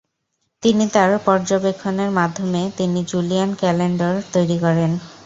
তিনি তার পরযবেক্ষনের মাধ্যমে তিনি জুলিয়ান ক্যলেন্ডর তৈরি করেন।